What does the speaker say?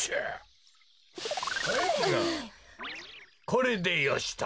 これでよしと。